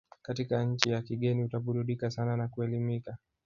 katika nchi ya kigeni utaburudika sana na kuelimika